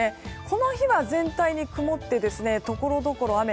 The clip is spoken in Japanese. この日は全体に曇ってところどころ雨。